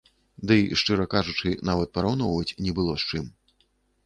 Дый, шчыра кажучы, нават параўноўваць не было з чым.